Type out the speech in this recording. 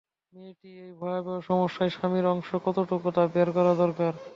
মেয়েটির এই ভয়াবহ সমস্যায় স্বামীর অংশ কতটুক তা বের করা দরকার।